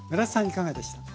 いかがでした？